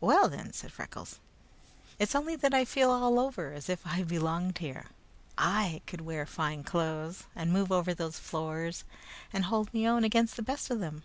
"Well then," said Freckles, "it's only that I feel all over as if I belonged there. I could wear fine clothes, and move over those floors, and hold me own against the best of them."